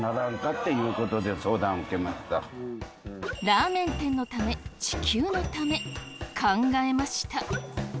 ラーメン店のため地球のため考えました。